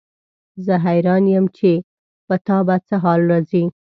زه حیران یم چې په تا به څه حال راځي.